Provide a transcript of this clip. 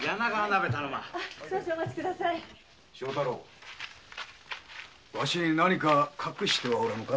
正太郎ワシに何か隠しておらぬか？